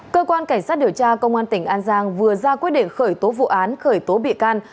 cơ quan cảnh sát điều tra công an tỉnh an giang vừa ra quyết định khởi tố vụ án khởi tố bị can